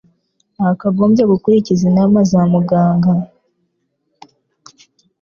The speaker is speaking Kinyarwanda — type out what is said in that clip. Wakagombye gukurikiza inama za muganga.